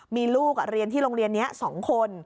มีลูกเรียนที่โรงเรียนนี้๒คน